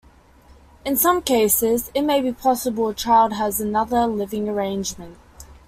In some cases it may be possible a child has another living arrangement.